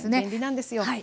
便利なんですよ。